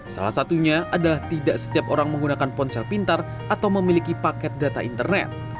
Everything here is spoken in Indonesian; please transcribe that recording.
salah satunya adalah tidak setiap orang menggunakan ponsel pintar atau memiliki paket data internet